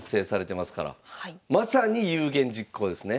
まさに有言実行ですね。